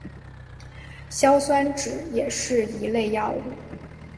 硝酸酯也是一类药物。